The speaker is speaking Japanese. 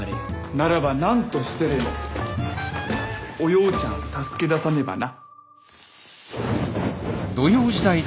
ならば何としてでもおようちゃんを助け出さねばな。